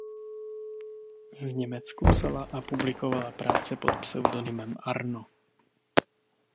V Německu psala a publikovala práce pod pseudonymem Arno.